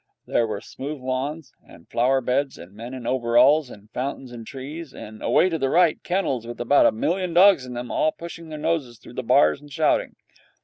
There were smooth lawns and flower beds, and men in overalls, and fountains and trees, and, away to the right, kennels with about a million dogs in them, all pushing their noses through the bars and shouting.